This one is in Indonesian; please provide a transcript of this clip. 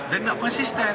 dan tidak konsisten